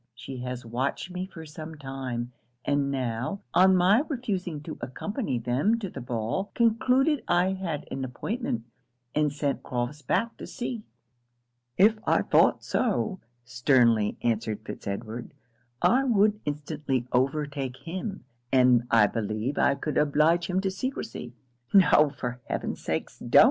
She has watched me for some time; and now, on my refusing to accompany them to the ball, concluded I had an appointment, and sent Crofts back to see.' 'If I thought so,' sternly answered Fitz Edward, 'I would instantly overtake him, and I believe I could oblige him to secresy.' 'No, for heaven's sake don't!'